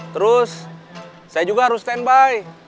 terus saya juga harus standby